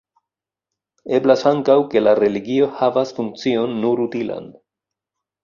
Eblas ankaŭ ke la religio havas funkcion nur utilan.